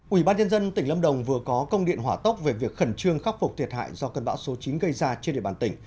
ủy ban nhân dân tỉnh lâm đồng vừa có công điện hỏa tốc về việc khẩn trương khắc phục thiệt hại do cơn bão số chín gây ra trên địa bàn tỉnh